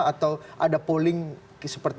atau ada polling seperti